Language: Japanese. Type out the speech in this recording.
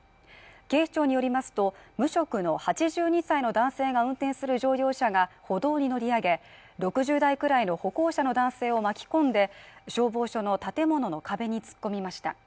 警視庁によりますと、無職の８２歳の男性が運転する乗用車が歩道に乗り上げ、６０代くらいの歩行者の男性を巻き込んで、消防署の建物の壁に突っ込みました。